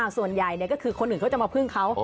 ส่วนใหญ่ก็คือคนอื่นเขาจะมาพึ่งเขา